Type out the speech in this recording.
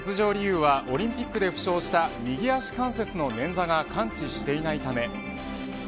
欠場理由はオリンピックで負傷した右足関節のねんざが完治していないため。